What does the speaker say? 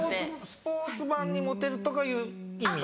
スポーツマンにモテるとかいう意味？